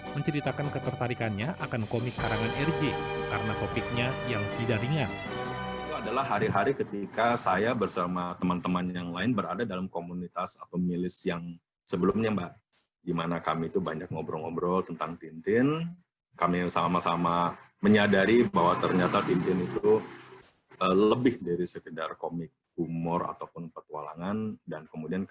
menceritakan ketertarikannya akan komik karangan rg karena topiknya yang tidak ringan